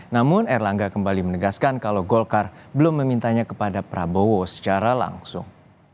namun erlangga kembali menegaskan kalau golkar belum memintanya kepada prabowo secara langsung